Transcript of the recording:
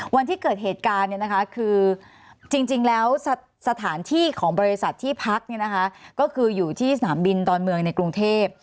วันที่เกิดเหตุการณ์คือจริงแล้วสถานที่ของบริษัทที่พักก็คืออยู่ที่สนามบินดอนเมืองในกรุงเทพ